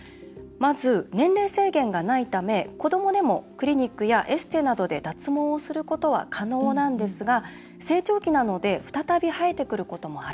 まず、年齢制限がないため子どもでもクリニックやエステなどで脱毛をすることは可能なんですが成長期なので再び生えてくることもある。